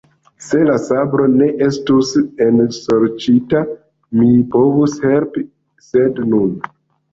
Se la sabro ne estus ensorĉita, mi povus helpi, sed nun.